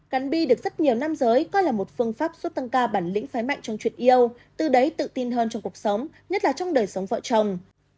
cắn bi được rất nhiều nam giới coi là một phương pháp giúp tăng ca bản lĩnh khái mạnh trong chuyện yêu từ đấy tự tin hơn trong cuộc sống nhất là trong đời sống vợ chồng